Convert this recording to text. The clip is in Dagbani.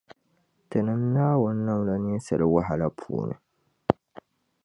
Tinim’ Naawuni nam la ninsala wahala puuni.